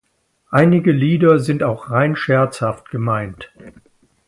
Einige Lieder sind auch rein scherzhaft gemeint.